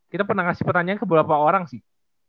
kita pernah ngasih pertanyaan ke beberapa orang sih